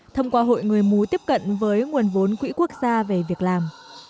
thông qua hội người mù tiếp cận với nguồn vốn quỹ quốc gia về việc làm